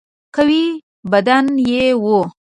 قوي بدن یې وو.